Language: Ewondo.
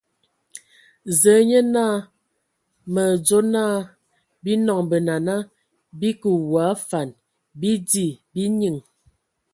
Zǝa nye naa mǝ adzo naa, bii nɔŋ benana, bii kǝ w a afan, bii di, bii nyinŋ!